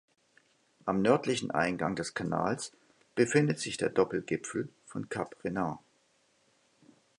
Am nördlichen Eingang des Kanals befindet sich der Doppelgipfel von Kap Renard.